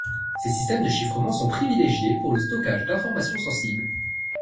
Ces systèmes de chiffrement sont privilégiés pour le stockage d'informations sensibles.